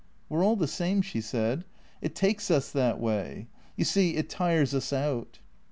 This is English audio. " We 're all the same," she said. " It takes us that way. You see, it tires us out."